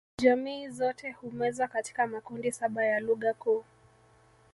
Jamii zote humezwa katika makundi saba ya lugha kuu